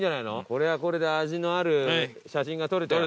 これはこれで味のある写真が撮れたよ。